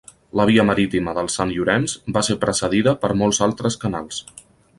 La via marítima del Sant Llorenç va ser precedida per molts altres canals.